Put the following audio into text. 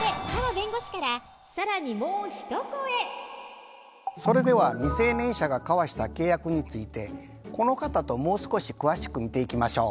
ここでそれでは未成年者が交わした契約についてこの方ともう少し詳しく見ていきましょう。